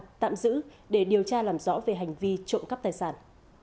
công an viên tỉnh bắc giang tạm giữ để điều tra làm rõ về hành vi trộm cắp tài sản